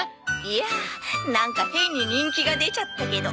いやなんか変に人気が出ちゃったけど。